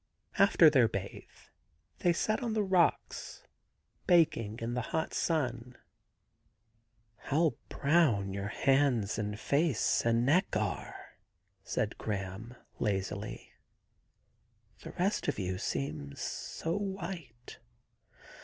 After their bathe they sat on the rocks, baking in the hot sun. ' How brown your hands and face and neck are!' said Graham lazily. *The rest of you seems so white.